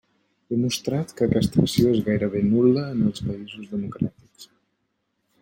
He mostrat que aquesta acció és gairebé nul·la en els països democràtics.